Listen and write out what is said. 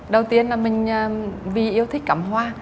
đầu tiên là mình vì yêu thích cẩm hoa